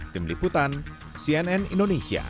tim liputan cnn indonesia